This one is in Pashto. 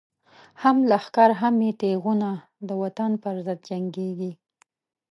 هم لښکر هم یی تیغونه، د وطن پر ضد جنگیږی